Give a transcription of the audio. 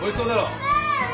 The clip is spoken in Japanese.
うん。